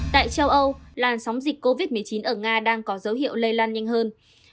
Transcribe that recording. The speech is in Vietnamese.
tại châu âu làn sóng dịch covid một mươi chín ở nga đang có dấu hiệu lây lan nhanh hơn